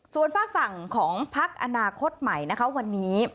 ส่วนฝากฝั่งของพักอนาคตใหม่นะคะวันนี้